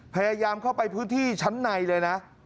พยายามเข้าไปพื้นที่ชั้นในเลยนะ